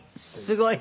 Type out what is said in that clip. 「すごい。